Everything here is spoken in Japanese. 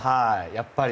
やっぱり。